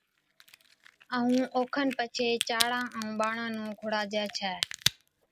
ائُون اوکن پڇي چاڙِيا ائُون ٻاڙان نُون کُڙاجَي ڇَي